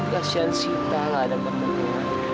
kasian sita gak ada ketemu sama dia